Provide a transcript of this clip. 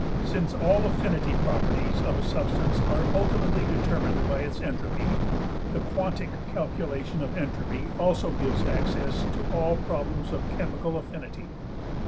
Since all affinity properties of a substance are ultimately determined by its entropy, the quantic calculation of entropy also gives access to all problems of chemical affinity.